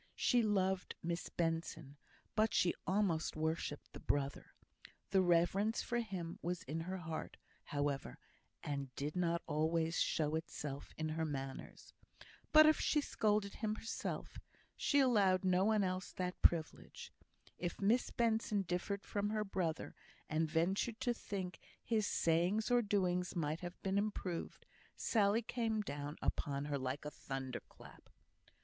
She loved Miss Benson, but she almost worshipped the brother. The reverence for him was in her heart, however, and did not always show itself in her manners. But if she scolded him herself, she allowed no one else that privilege. If Miss Benson differed from her brother, and ventured to think his sayings or doings might have been improved, Sally came down upon her like a thunder clap.